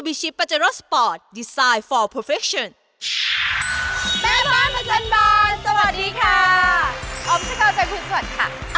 อ๋อมชะกาวจังหวินสวัสดิ์ค่ะ